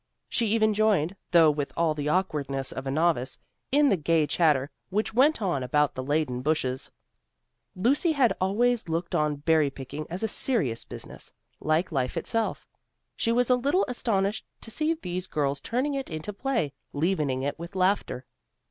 She even joined, though with all the awkwardness of a novice, in the gay chatter which went on about the laden bushes. Lucy had always looked on picking berries as a serious business, like life itself. She was a little astonished to see these girls turning it into play, leavening it with laughter.